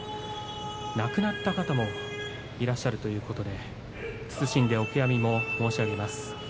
亡くなった方もいらっしゃるということで謹んでお悔やみ申し上げます。